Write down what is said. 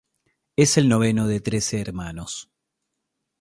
Es el noveno de trece hermanos.